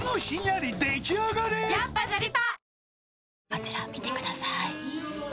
あちら見てください。